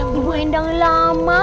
aduh ibu endang lama